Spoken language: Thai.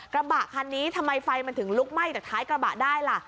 กระบะคันนี้ทำไมไฟมันถึงลุกไหม้จากท้ายกระบะได้ล่ะ